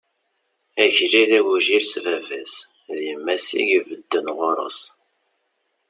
Akli d agujil s baba-s, d yemma-s i ibedden ɣur-s.